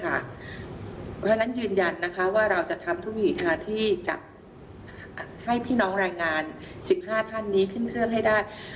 เพราะฉะนั้นยืนยันนะคะว่าเราจะทำทุกวิธีค่ะที่จะให้พี่น้องแรงงาน๑๕ท่านนี้ขึ้นเครื่องให้ได้